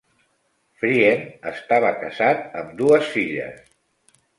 Friend estava casat amb dues filles.